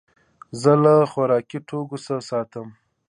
زه له خوراکي توکو څخه ساتم.